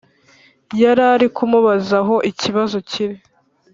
yarari kumubaza aho ikibazo kiri